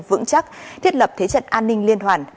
vững chắc thiết lập thế trận an ninh liên hoàn